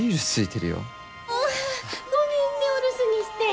ごめんねお留守にして。